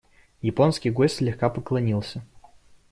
Японский гость слегка поклонился.